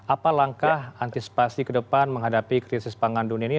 apa langkah antisipasi ke depan menghadapi krisis pangan dunia ini